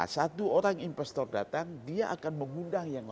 satu orang investor datang dia akan mengundang yang lain